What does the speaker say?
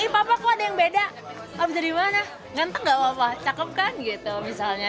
papaku ada yang beda abis dari mana ganteng gak apa apa cakep kan gitu misalnya